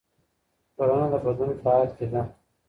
ټولنه د بدلون په حال کې ده.